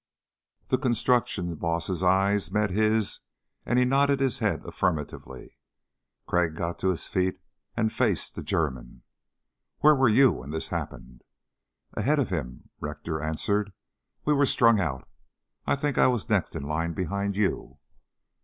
The construction boss's eyes met his and he nodded his head affirmatively. Crag got to his feet and faced the German. "Where were you when this happened?" "Ahead of him," Richter answered. "We were strung out. I think I was next in line behind you."